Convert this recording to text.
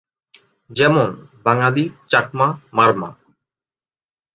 যেমন: বাঙালি, চাকমা, মারমা।